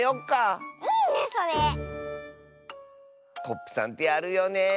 コップさんってやるよね。